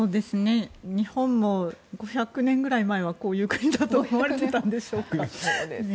日本も５００年ぐらい前まではこういう国だと思われてたんでしょうか。